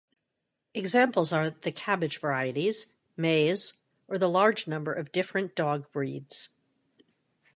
Examples are the cabbage varieties, maize, or the large number of different dog breeds.